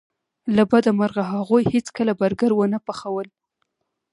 له بده مرغه هغوی هیڅکله برګر ونه پخول